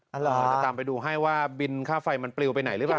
เราจะตามไปดูให้ว่าบินค่าไฟมันปลิวไปไหนหรือเปล่า